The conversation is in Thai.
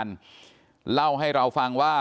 โปรดติดตามตอนต่อไป